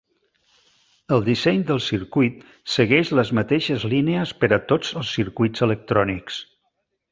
El disseny del circuit segueix les mateixes línies per a tots els circuits electrònics.